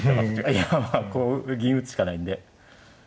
いやこう銀打つしかないんで。